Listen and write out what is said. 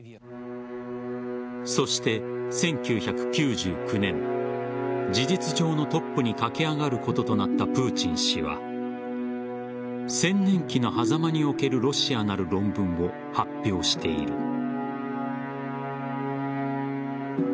そして１９９９年事実上のトップに駆け上がることとなったプーチン氏は「千年紀のはざまにおけるロシア」なる論文を発表している。